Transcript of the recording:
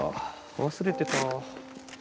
忘れてた。